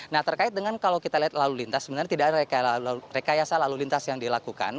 nah terkait dengan kalau kita lihat lalu lintas sebenarnya tidak ada rekayasa lalu lintas yang dilakukan